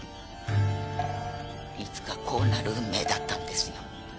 いつかこうなる運命だったんですよ。